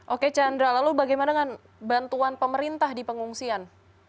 oke chandra lalu bagaimana dengan bantuan pemerintah di pengungsian